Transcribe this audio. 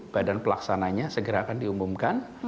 badan pelaksananya segera akan diumumkan